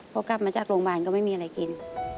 เพราะกลับมาจากโรงบาลก็ไม่มีอะไรกิน